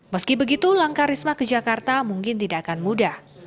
meski begitu langkah risma ke jakarta mungkin tidak akan mudah